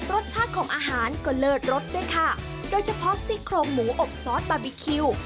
รสชาติของอาหารก็เลิศรสด้วยค่ะโดยเฉพาะซี่โครงหมูอบซอสบาร์บีคิว